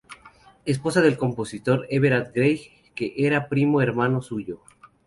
Esposa del compositor Edvard Grieg, que era primo hermano suyo.